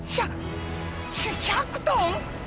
ひゃ１００トン！？